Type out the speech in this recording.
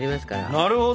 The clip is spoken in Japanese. なるほど！